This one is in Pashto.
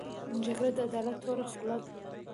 جګړه د عدالت توره خوله ده